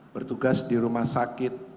bertugas di rumah sakit